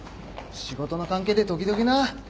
仕事の関係で時々な。